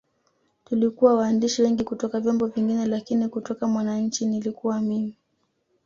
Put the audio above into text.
Tulikuwa waandishi wengi kutoka vyombo vingine lakini kutoka Mwananchi nilikuwa mimi